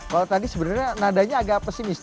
kalau tadi sebenarnya nadanya agak pesimis